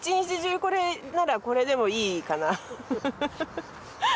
これならこれでもいいかなフフフ。